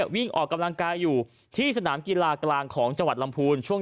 วิ่งออกกำลังกายอยู่ที่สนามกีฬากลางของจังหวัดลำพูนช่วง